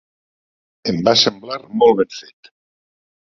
Em va semblar molt ben fet.